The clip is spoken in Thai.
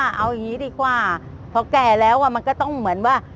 เอาอย่างนี้ดีกว่าพอแก่แล้วมันก็ต้องเหมือนว่า